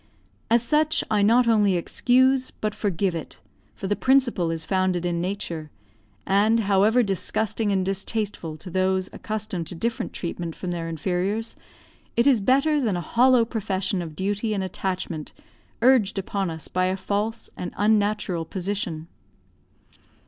As such, I not only excuse, but forgive it, for the principle is founded in nature; and, however disgusting and distasteful to those accustomed to different treatment from their inferiors, it is better than a hollow profession of duty and attachment urged upon us by a false and unnatural position.